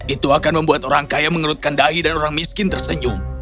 itu akan membuat orang kaya mengerutkan dahi dan orang miskin tersenyum